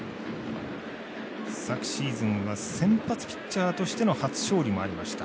昨シーズンは先発ピッチャーとしての初勝利もありました。